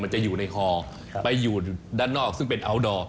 จะอยู่ในคอไปอยู่ด้านนอกซึ่งเป็นอัลดอร์